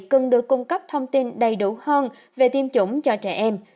cần được cung cấp thông tin đầy đủ hơn về tiêm chủng cho trẻ em